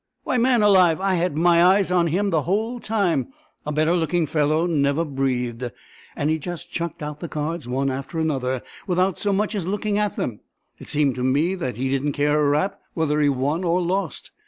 Why, man alive! I had my eyes on him the whole time. A better looking fellow never breathed, and he just chucked out the cards one after another without so much as looking at them; it seemed to me that he didn't care a rap whether he won or lost.